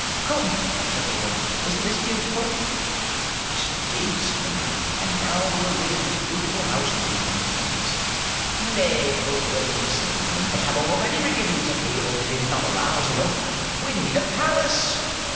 '*Come,'* said the woman, *'isn't this beautiful?'* ''Yes, indeed,'* said the man, ''and now we will live in this beautiful house and be content. "Nay, husband, said the woman, "but I am already beginning to feel that it is not large enough. We need a palace.